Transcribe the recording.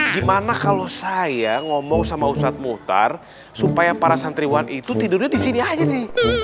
gimana kalau saya ngomong sama ustadz muhtar supaya para santriwan itu tidurnya di sini aja nih